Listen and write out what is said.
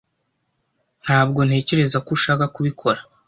Ntabwo ntekereza ko ushaka kubikora.